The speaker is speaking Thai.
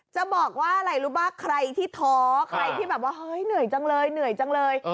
จะบอกว่าอะไรรู้ป่ะใครที่ท้อใครที่แบบว่าเฮ้ยเหนื่อยจังเลยเหนื่อยจังเลย